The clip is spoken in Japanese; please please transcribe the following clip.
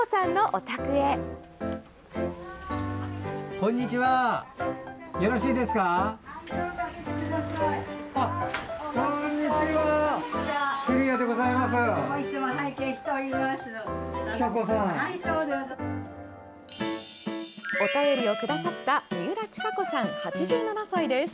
お便りをくださった三浦親子さん、８７歳です。